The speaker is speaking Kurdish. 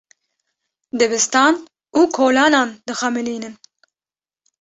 Dibistan û kolanan dixemilînin.